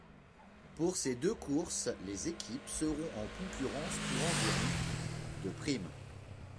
Pour ces deux courses, les équipes seront en concurrence pour environ de primes.